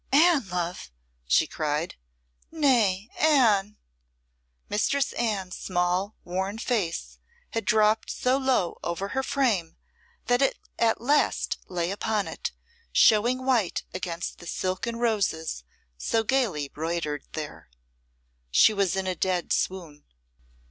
"Anne, love!" she cried. "Nay, Anne!" Mistress Anne's small, worn face had dropped so low over her frame that it at last lay upon it, showing white against the silken roses so gaily broidered there. She was in a dead swoon.